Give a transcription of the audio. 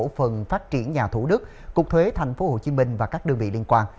cổ phần phát triển nhà thủ đức cục thuế tp hcm và các đơn vị liên quan